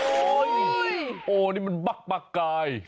โอ้ยโอ้นี่มันปลากปลากราย